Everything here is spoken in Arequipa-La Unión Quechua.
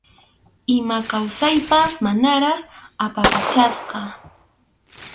Ima kawsaypas manaraq apaykachasqa.